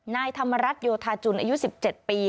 นายธรรมรัฐโยธาจุลอายุ๑๗ปี